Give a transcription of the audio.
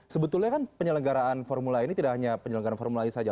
sebetulnya kan penyelenggaraan formula ini tidak hanya penyelenggaraan formula ini saja